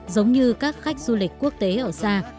giống như các khách du lịch quốc tế ở xa